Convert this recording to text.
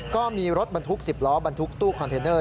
ก็มีรถบรรทุก๑๐ล้อบรรทุกตู้คอนเทนเนอร์